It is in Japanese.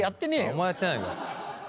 お前やってないんだ。